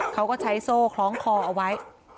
เขาก็ใช้โซ่คล้องคอเอาไว้